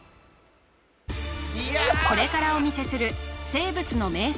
これからお見せするただし